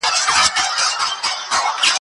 موږ د خپل کلتور ریښې په تاریخ کې لرو.